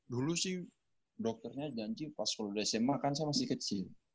dulu sih dokternya janji pas kalau udah sma kan saya masih kecil